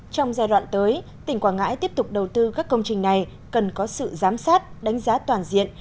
trong giai đoạn tới tỉnh quảng ngãi tiếp tục đầu tư các công trình này cần có sự giám sát đánh giá toàn diện